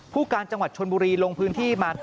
ผู้การจังหวัดชนบุรีลงพื้นที่มา